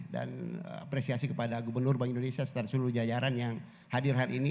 dan apresiasi kepada gubernur bank indonesia setelah seluruh jajaran yang hadir hari ini